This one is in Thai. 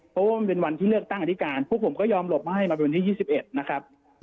เพราะว่ามันเป็นวันที่เลือกตั้งอธิการพวกผมก็ยอมหลบมาให้มาเป็นวันที่๒๑นะครับ